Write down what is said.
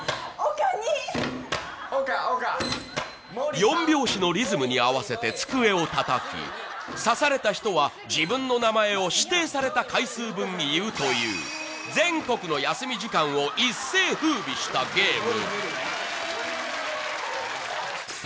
４拍子のリズムに合わせて机をたたき、指された人は自分の名前を指定された回数分言うという全国の休み時間を一世ふうびしたゲーム。